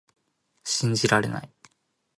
信じられない